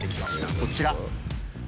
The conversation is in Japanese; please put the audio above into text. こちら！